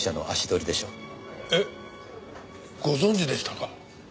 えっご存じでしたか？